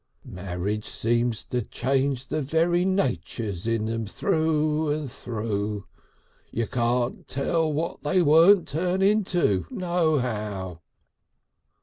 Marriage seems to change the very natures in 'em through and through. You can't tell what they won't turn into nohow.